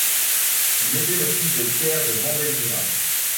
Il était le fils de Pierre de Vandelvira.